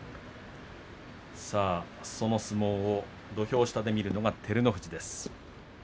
その相撲を土俵下で見るのが照ノ富士です。